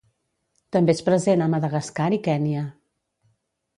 També és present a Madagascar i Kenya.